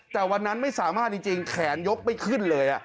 แต่วันนั้นไม่สามารถจริงแขนยกไม่ขึ้นเลย